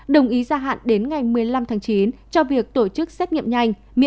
đồng ý gia hạn đến ngày một mươi năm tháng chín cho việc tổ chức xét nghiệm nhanh